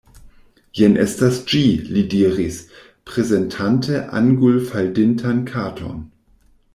Jen estas ĝi, li diris, prezentante angulfalditan karton.